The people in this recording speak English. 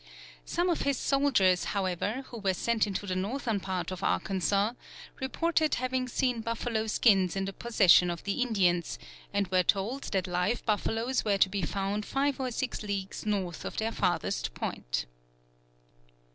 Some of his soldiers, however, who were sent into the northern part of Arkansas, reported having seen buffalo skins in the possession of the Indians, and were told that live buffaloes were to be found 5 or 6 leagues north of their farthest point.